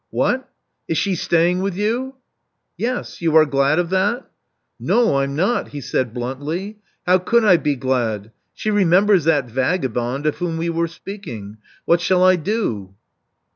*'What! Is she staying with you?" Yes. You are glad of that?" No, I'm not," he said bluntly. How could I be glad? She remembers that vagabond of whom we were speaking. What shall I do?"